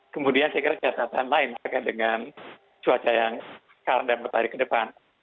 kemudian saya kira catatan lain terkait dengan cuaca yang sekarang dan bertahap ke depan